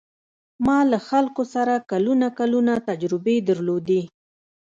ما له خلکو سره کلونه کلونه تجربې درلودې.